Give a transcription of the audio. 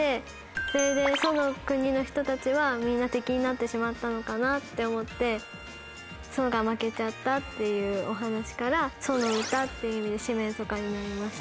それで楚の国の人たちはみんな敵になってしまったのかなって思って楚が負けちゃったっていうお話から「楚の歌」って意味で四面楚歌になりました。